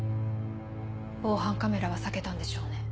防犯カメラは避けたんでしょうね？